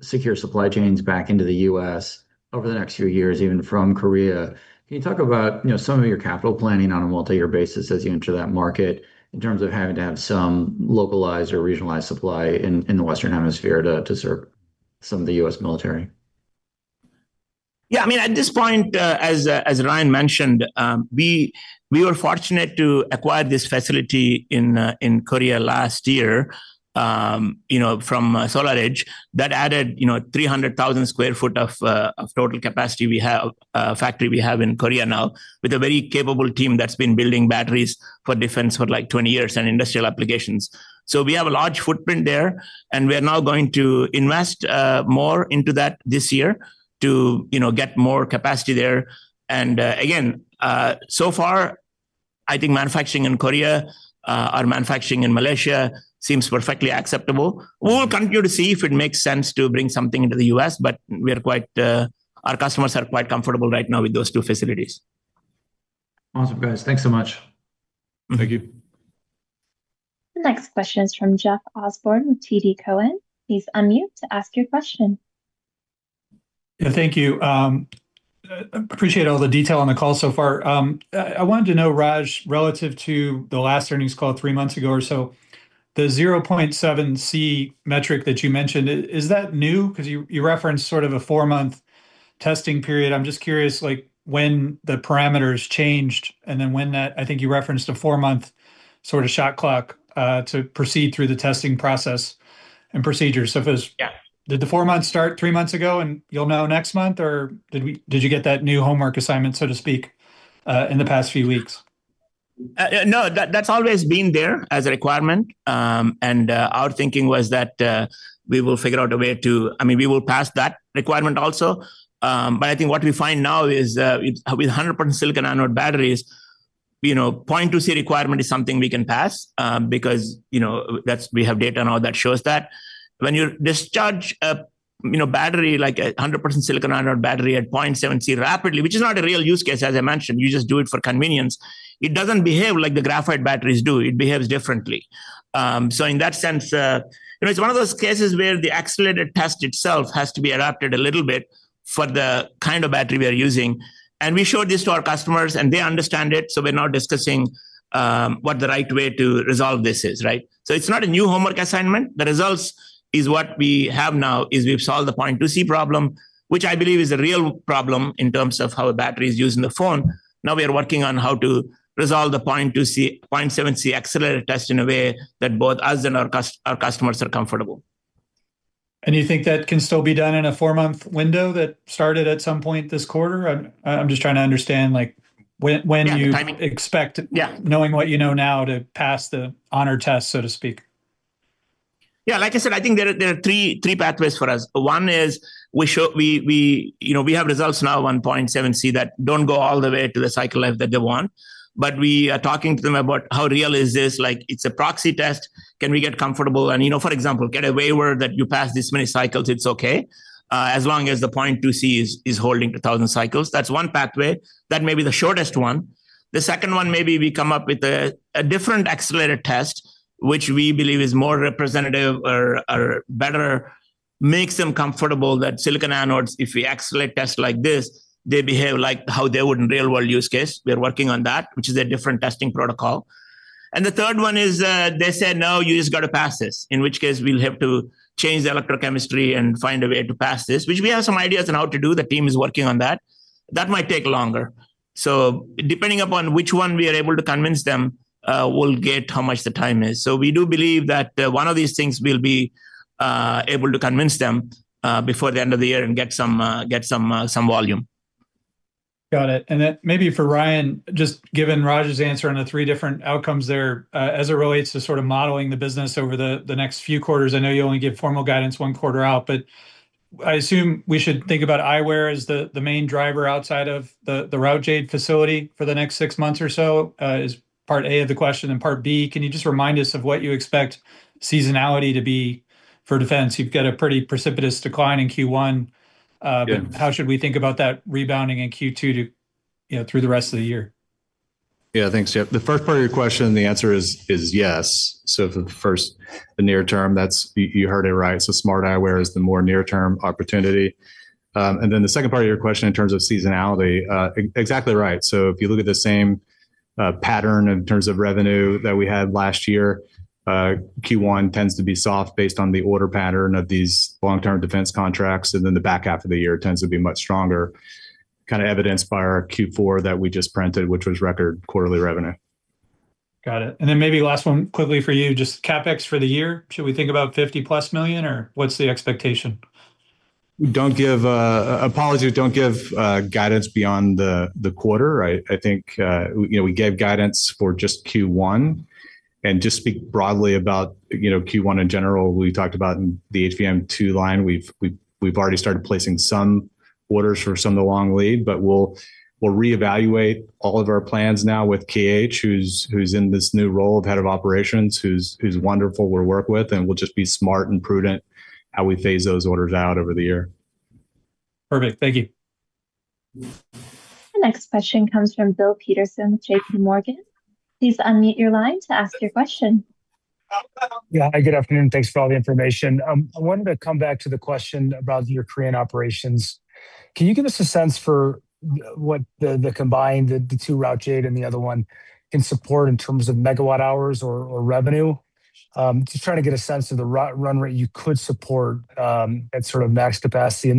secure supply chains back into the U.S. over the next few years, even from Korea, can you talk about, you know, some of your capital planning on a multi-year basis as you enter that market, in terms of having to have some localized or regionalized supply in the Western Hemisphere to serve some of the U.S. military? Yeah, I mean, at this point, as Ryan mentioned, we were fortunate to acquire this facility in Korea last year, you know, from SolarEdge. That added, you know, 300,000 sq ft of total capacity we have, factory we have in Korea now, with a very capable team that's been building batteries for defense for, like, 20 years and industrial applications. We have a large footprint there. We are now going to invest more into that this year to, you know, get more capacity there. Again, so far, I think manufacturing in Korea or manufacturing in Malaysia seems perfectly acceptable. We will continue to see if it makes sense to bring something into the U.S., but we are quite, our customers are quite comfortable right now with those two facilities. Awesome, guys. Thanks so much. Thank you. The next question is from Jeff Osborne with TD Cowen. Please unmute to ask your question. Yeah, thank you. Appreciate all the detail on the call so far. I wanted to know, Raj, relative to the last earnings call three months ago or so, the 0.7 C metric that you mentioned, is that new? Because you referenced sort of a four-month testing period. I'm just curious, like, when the parameters changed, and then I think you referenced a four-month sort of shot clock to proceed through the testing process and procedure. If it was. Yeah. Did the four months start three months ago, and you'll know next month, or did you get that new homework assignment, so to speak, in the past few weeks? No, that's always been there as a requirement. Our thinking was that we will figure out a way I mean, we will pass that requirement also. I think what we find now is with a 100% silicon anode batteries, you know, 0.2 C requirement is something we can pass, because, you know, we have data and all that shows that. When you discharge a, you know, battery, like a 100% silicon anode battery at 0.7 C rapidly, which is not a real use case, as I mentioned, you just do it for convenience, it doesn't behave like the graphite batteries do. It behaves differently. In that sense, you know, it's one of those cases where the accelerated test itself has to be adapted a little bit for the kind of battery we are using, and we showed this to our customers, and they understand it, so we're now discussing what the right way to resolve this is, right? It's not a new homework assignment. The results is what we have now, is we've solved the 0.2 C problem, which I believe is a real problem in terms of how a battery is used in the phone. Now we are working on how to resolve the 0.2 C, 0.7 C accelerated test in a way that both us and our customers are comfortable. You think that can still be done in a four-month window that started at some point this quarter? I'm just trying to understand, like, when you. Yeah, the timing. Expect. Yeah. Knowing what you know now to pass the HONOR test, so to speak. Like I said, I think there are three pathways for us. One is we, you know, we have results now at 1.7 C that don't go all the way to the cycle life that they want, but we are talking to them about how real is this? Like, it's a proxy test. Can we get comfortable? You know, for example, get a waiver that you pass this many cycles, it's okay, as long as the 0.2 C is holding 2,000 cycles. That's one pathway. That may be the shortest one. The second one may be we come up with a different accelerated test, which we believe is more representative or better makes them comfortable that silicon anodes, if we accelerate test like this, they behave like how they would in real-world use case. We're working on that, which is a different testing protocol. The third one is, they said, "No, you just got to pass this," in which case we'll have to change the electrochemistry and find a way to pass this, which we have some ideas on how to do. The team is working on that. That might take longer. Depending upon which one we are able to convince them, we'll get how much the time is. We do believe that one of these things will be able to convince them before the end of the year and get some, get some volume. Got it. Then maybe for Ryan, just given Raj's answer on the three different outcomes there, as it relates to sort of modeling the business over the next few quarters, I know you only give formal guidance one quarter out, but I assume we should think about eyewear as the main driver outside of the Routejade facility for the next six months or so, is part A of the question. Part B, can you just remind us of what you expect seasonality to be for defense? You've got a pretty precipitous decline in Q1. Yeah. how should we think about that rebounding in Q2 to, you know, through the rest of the year? Thanks, Jeff. The first part of your question, the answer is yes. For the first, the near term, that's. You, you heard it right. Smart eyewear is the more near-term opportunity. The second part of your question in terms of seasonality, exactly right. If you look at the same pattern in terms of revenue that we had last year, Q1 tends to be soft based on the order pattern of these long-term defense contracts, and then the back half of the year tends to be much stronger, kind of evidenced by our Q4 that we just printed, which was record quarterly revenue. Got it. Maybe last one quickly for you, just CapEx for the year. Should we think about $50+ million, or what's the expectation? Apologies, we don't give guidance beyond the quarter, right? I think, you know, we gave guidance for just Q1. Just speak broadly about, you know, Q1 in general, we talked about the HVM-2 line. We've already started placing some orders for some of the long lead, but we'll reevaluate all of our plans now with K.H., who's in this new role of head of operations, who's wonderful to work with, and we'll just be smart and prudent how we phase those orders out over the year. Perfect. Thank you. The next question comes from Bill Peterson, JPMorgan. Please unmute your line to ask your question. Yeah. Hi, good afternoon. Thanks for all the information. I wanted to come back to the question about your Korean operations. Can you give us a sense for what the combined two Routejade and the other one can support in terms of megawatt hours or revenue? just trying to get a sense of the run rate you could support at sort of max capacity.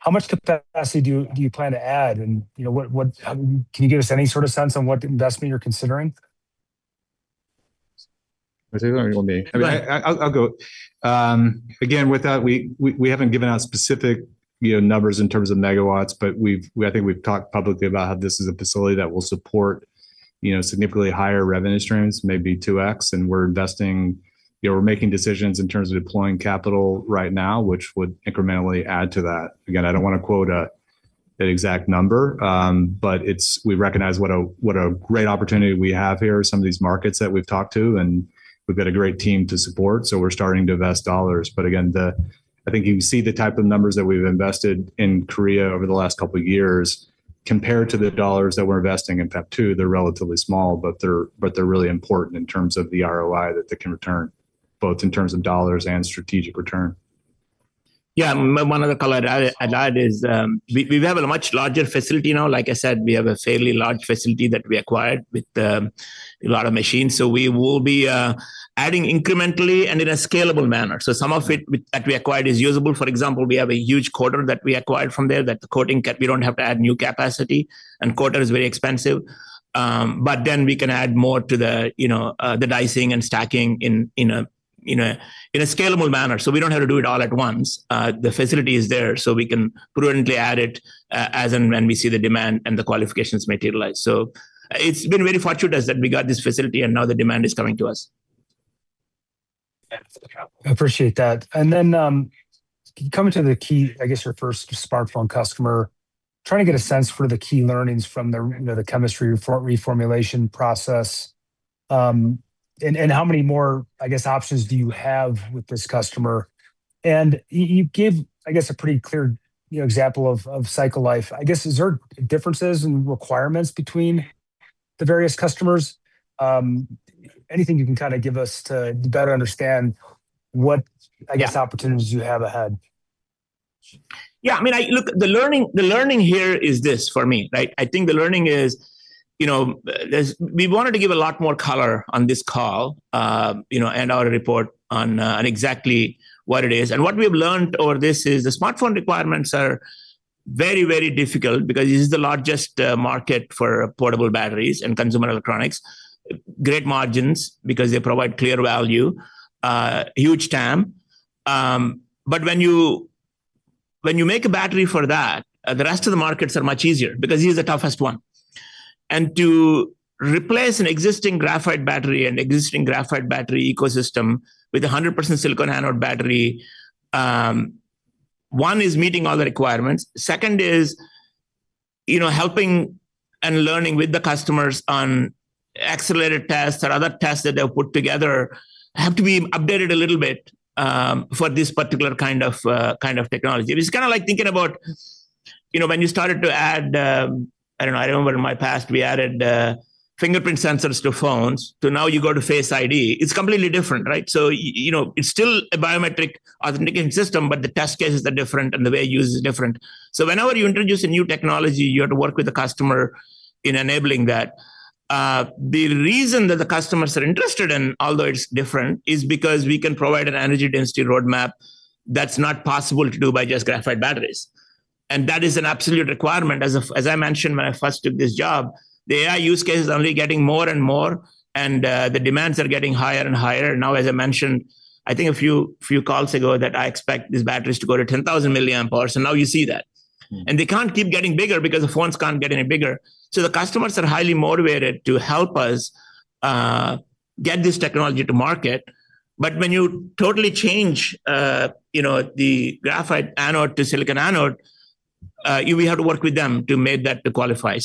How much capacity do you plan to add, and you know, what can you give us any sort of sense on what investment you're considering? I'll take that or you want me? I'll go. Again, with that, we haven't given out specific, you know, numbers in terms of megawatts, but we've. I think we've talked publicly about how this is a facility that will support, you know, significantly higher revenue streams, maybe 2x. We're investing. You know, we're making decisions in terms of deploying capital right now, which would incrementally add to that. Again, I don't want to quote an exact number, but we recognize what a, what a great opportunity we have here with some of these markets that we've talked to, and we've got a great team to support, so we're starting to invest dollars. Again, I think you can see the type of numbers that we've invested in Korea over the last couple of years compared to the dollars that we're investing in PEP-2, they're relatively small, but they're really important in terms of the ROI that they can return, both in terms of dollars and strategic return. One other color I'd add is, we have a much larger facility now. Like I said, we have a fairly large facility that we acquired with a lot of machines, so we will be adding incrementally and in a scalable manner. Some of it with, that we acquired is usable. For example, we have a huge coater that we acquired from there, that coating capacity we don't have to add new capacity, and coater is very expensive. We can add more to the, you know, the dicing and stacking in a scalable manner. We don't have to do it all at once. The facility is there, so we can prudently add it as and when we see the demand and the qualifications materialize. It's been very fortunate us that we got this facility, and now the demand is coming to us. I appreciate that. Then, coming to the key, I guess, your first smartphone customer, trying to get a sense for the key learnings from the, you know, the chemistry reformulation process, and how many more, I guess, options do you have with this customer? And you give, I guess, a pretty clear, you know, example of cycle life. I guess, is there differences in requirements between the various customers? Anything you can kind of give us to better understand what, I guess, opportunities you have ahead? Yeah, I mean, look, the learning here is this for me, right? I think the learning is, you know, we wanted to give a lot more color on this call, you know, and our report on exactly what it is. What we've learned over this is the smartphone requirements are very, very difficult because this is the largest market for portable batteries and consumer electronics. Great margins because they provide clear value, huge TAM. When you make a battery for that, the rest of the markets are much easier because this is the toughest one. To replace an existing graphite battery ecosystem with a 100% silicon anode battery, one, is meeting all the requirements. Second is, you know, helping and learning with the customers on accelerated tests or other tests that they've put together have to be updated a little bit, for this particular kind of technology. It's kind of like thinking about, you know, when you started to add, I don't know, I remember in my past, we added fingerprint sensors to phones, now you go to Face ID. It's completely different, right? You know, it's still a biometric authentication system, but the test cases are different and the way it used is different. Whenever you introduce a new technology, you have to work with the customer in enabling that. The reason that the customers are interested in, although it's different, is because we can provide an energy density roadmap that's not possible to do by just graphite batteries. That is an absolute requirement. As I mentioned when I first took this job, the AI use case is only getting more and more, and the demands are getting higher and higher. Now, as I mentioned, I think a few calls ago, that I expect these batteries to go to 10,000 mAh, and now you see that. They can't keep getting bigger because the phones can't get any bigger. The customers are highly motivated to help us get this technology to market. When you totally change, you know, the graphite anode to silicon anode, we have to work with them to make that to qualify.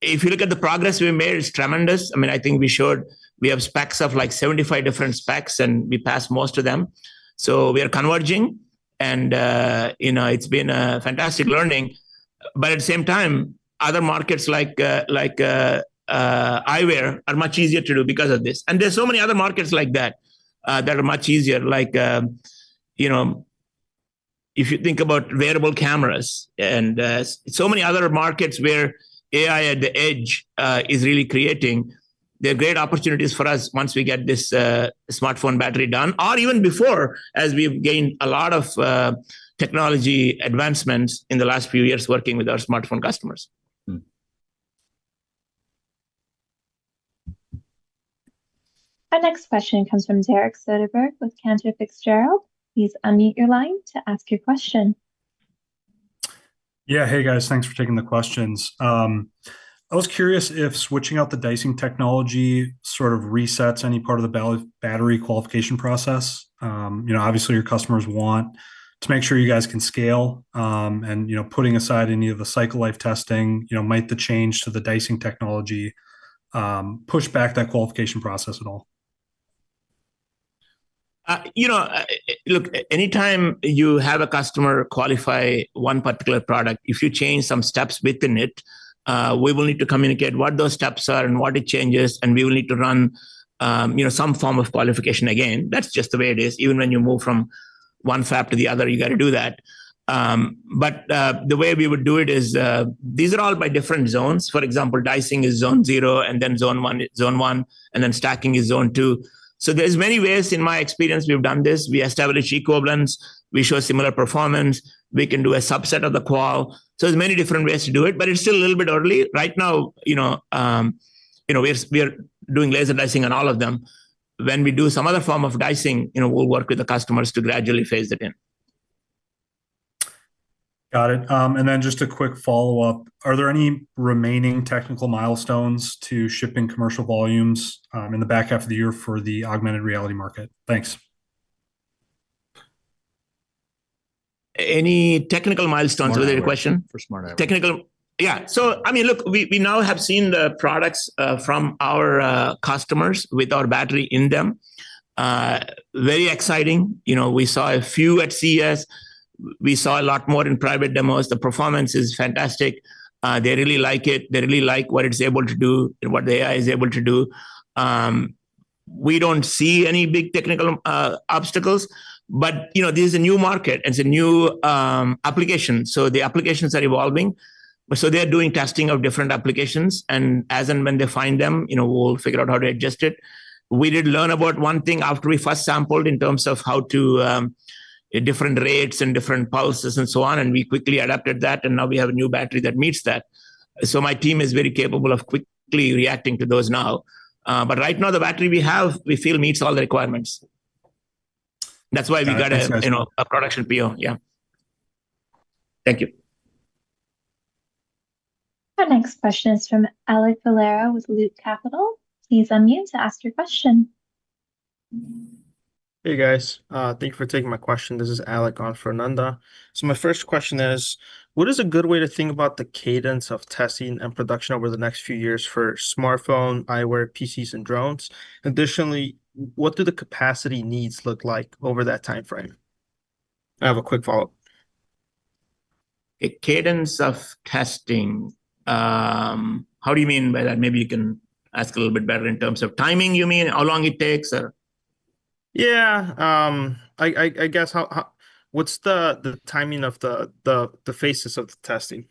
If you look at the progress we made, it's tremendous. I mean, I think we showed we have specs of like 75 different specs, and we passed most of them. We are converging, and, you know, it's been a fantastic learning. At the same time, other markets like, eyewear are much easier to do because of this. There are so many other markets like that are much easier, like, you know, if you think about wearable cameras and so many other markets where AI at the edge is really creating, there are great opportunities for us once we get this smartphone battery done, or even before, as we've gained a lot of technology advancements in the last few years working with our smartphone customers. Our next question comes from Derek Soderberg with Cantor Fitzgerald. Please unmute your line to ask your question. Yeah. Hey, guys. Thanks for taking the questions. I was curious if switching out the dicing technology sort of resets any part of the battery qualification process. You know, obviously, your customers want to make sure you guys can scale, and, you know, putting aside any of the cycle life testing, you know, might the change to the dicing technology push back that qualification process at all? You know, look, anytime you have a customer qualify one particular product, if you change some steps within it, we will need to communicate what those steps are and what it changes, and we will need to run, you know, some form of qualification again. That's just the way it is. Even when you move from one fab to the other, you got to do that. The way we would do it is, these are all by different zones. For example, dicing is Zone 0, and then Zone 1 is Zone 1, and then stacking is Zone 2. There's many ways, in my experience, we've done this. We establish equivalence, we show similar performance, we can do a subset of the qual. There's many different ways to do it, but it's still a little bit early. Right now, you know, you know, we are doing laser dicing on all of them. When we do some other form of dicing, you know, we'll work with the customers to gradually phase it in. Got it. Just a quick follow-up. Are there any remaining technical milestones to shipping commercial volumes, in the back half of the year for the augmented reality market? Thanks. Any technical milestones was your question? For smart eyewear. Yeah. I mean, look, we now have seen the products from our customers with our battery in them. Very exciting. You know, we saw a few at CES. We saw a lot more in private demos. The performance is fantastic. They really like it. They really like what it's able to do and what the AI is able to do. We don't see any big technical obstacles, but, you know, this is a new market, it's a new application, so the applications are evolving. They are doing testing of different applications, and as and when they find them, you know, we'll figure out how to adjust it. We did learn about one thing after we first sampled in terms of how to, different rates and different pulses and so on, and we quickly adapted that, and now we have a new battery that meets that. My team is very capable of quickly reacting to those now. Right now, the battery we have, we feel meets all the requirements. That's why we got. That's great. You know, a production PO. Yeah. Thank you. Next question is from Alec Valera with Loop Capital. Please unmute to ask your question. Hey, guys. Thank you for taking my question. This is Alec on for Nanda. My first question is, what is a good way to think about the cadence of testing and production over the next few years for smartphone, eyewear, PCs, and drones? Additionally, what do the capacity needs look like over that timeframe? I have a quick follow-up. A cadence of testing, how do you mean by that? Maybe you can ask a little bit better in terms of timing, you mean, how long it takes, or? Yeah. I guess, what's the timing of the phases of the testing?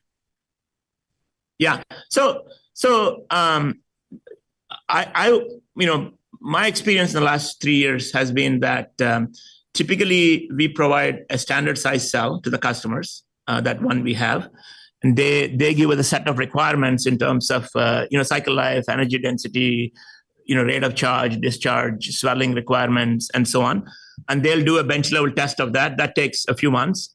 You know, my experience in the last three years has been that, typically, we provide a standard-sized cell to the customers, that one we have, and they give us a set of requirements in terms of, you know, cycle life, energy density, you know, rate of charge, discharge, swelling requirements, and so on. They'll do a bench level test of that. That takes a few months.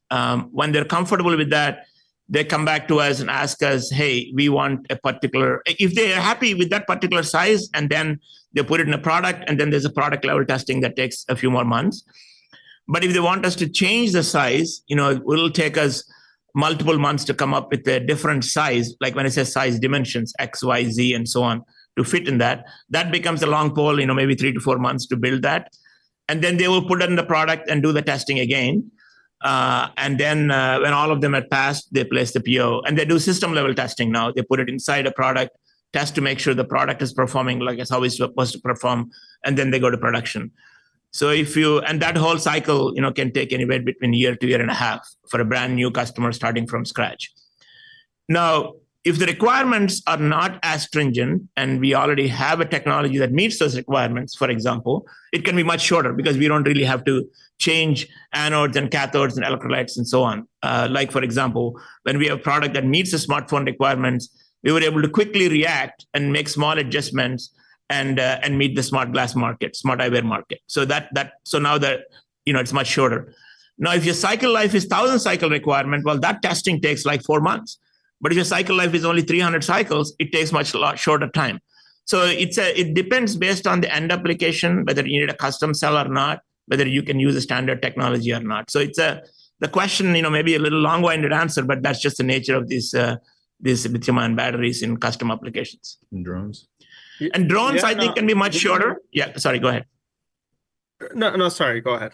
When they're comfortable with that, they come back to us and ask us, "Hey, we want a particular." If they're happy with that particular size, then they put it in a product, then there's a product level testing that takes a few more months. If they want us to change the size, you know, it'll take us multiple months to come up with a different size, like when it says size dimensions, X, Y, Z, and so on, to fit in that. That becomes a long pole, you know, maybe three to four months to build that. Then they will put it in the product and do the testing again. Then, when all of them have passed, they place the PO. They do system-level testing now. They put it inside a product, test to make sure the product is performing like it's how it's supposed to perform, and then they go to production. That whole cycle, you know, can take anywhere between a year to a year and a half for a brand-new customer starting from scratch. If the requirements are not as stringent and we already have a technology that meets those requirements, for example, it can be much shorter because we don't really have to change anodes and cathodes and electrolytes and so on. Like, for example, when we have a product that meets the smartphone requirements, we were able to quickly react and make small adjustments and meet the smart glass market, smart eyewear market. Now that, you know, it's much shorter. If your cycle life is 1,000 cycle requirement, well, that testing takes, like, four months. If your cycle life is only 300 cycles, it takes much lot shorter time. It depends based on the end application, whether you need a custom cell or not, whether you can use a standard technology or not. It's, the question, you know, may be a little long-winded answer, but that's just the nature of this lithium-ion batteries in custom applications. Drones? Drones, I think, can be much shorter. Yeah. Yeah, sorry, go ahead. No, no, sorry. Go ahead.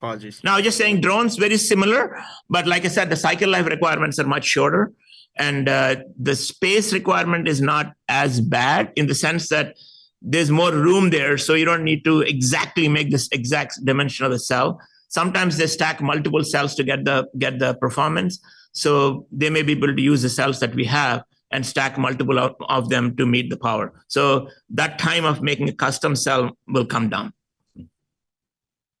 Apologies. No, I was just saying drones, very similar, but like I said, the cycle life requirements are much shorter, and the space requirement is not as bad in the sense that there's more room there, so you don't need to exactly make this exact dimension of the cell. Sometimes they stack multiple cells to get the performance, so they may be able to use the cells that we have and stack multiple of them to meet the power. So that time of making a custom cell will come down.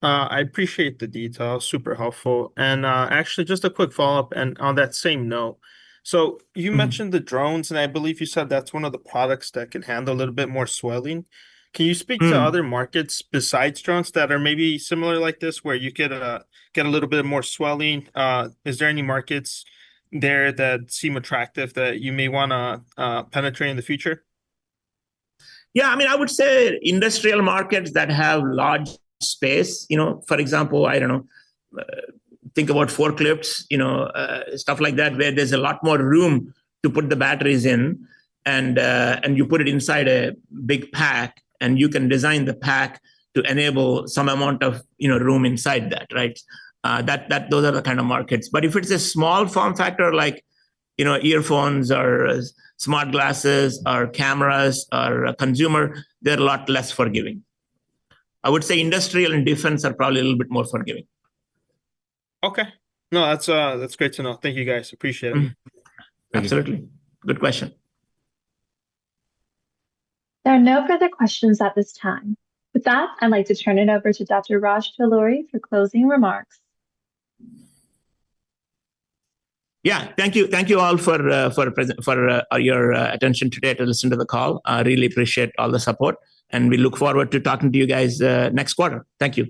I appreciate the detail. Super helpful. Actually, just a quick follow-up and on that same note. You mentioned the drones, and I believe you said that's one of the products that can handle a little bit more swelling. Can you speak to other markets besides drones that are maybe similar like this, where you get a little bit more swelling? Is there any markets there that seem attractive that you may wanna penetrate in the future? Yeah, I mean, I would say industrial markets that have large space, you know, for example, I don't know, think about forklifts, you know, stuff like that, where there's a lot more room to put the batteries in, and you put it inside a big pack, and you can design the pack to enable some amount of, you know, room inside that, right? Those are the kind of markets. If it's a small form factor, like, you know, earphones or smart glasses or cameras or a consumer, they're a lot less forgiving. I would say industrial and defense are probably a little bit more forgiving. Okay. No, that's great to know. Thank you, guys. Appreciate it. Absolutely. Good question. There are no further questions at this time. With that, I'd like to turn it over to Dr. Raj Talluri for closing remarks. Yeah. Thank you. Thank you all for your attention today to listen to the call. I really appreciate all the support, and we look forward to talking to you guys next quarter. Thank you.